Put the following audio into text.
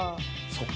そっか。